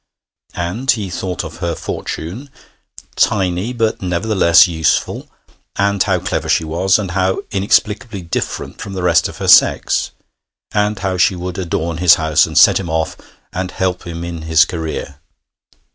And he thought of her fortune, tiny but nevertheless useful, and how clever she was, and how inexplicably different from the rest of her sex, and how she would adorn his house, and set him off, and help him in his career.